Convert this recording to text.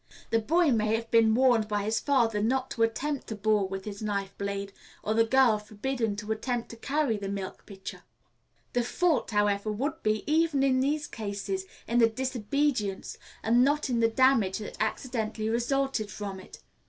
The boy may have been warned by his father not to attempt to bore with his knife blade, or the girl forbidden to attempt to carry the milk pitcher. The fault, however, would be, even in these cases, in the disobedience, and not in the damage that accidentally resulted from it.